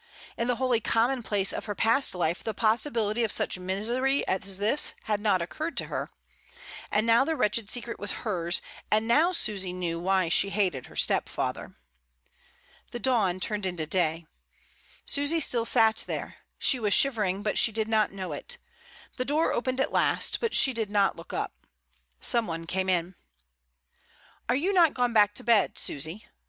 In the holy commonplace of her past life the possibility of such misery as this had not occvirred to her; and now the wretched secret was hers, and now Susy knew why she hated her stepfather. The dawn turned into day. Susy still sat there; she was shivering, but she did not know it; the door opened at last, but she did not look up; some one came in. "Are you not gone back to bed, Susy?"